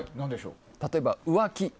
例えば、浮気。